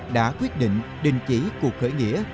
đã quyết định đình chỉ cuộc khởi nghĩa